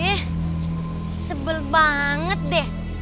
ih sebel banget deh